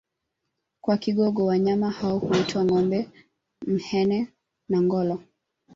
Kwa Kigogo wanyama hao huitwa ngombe mhene na ngholo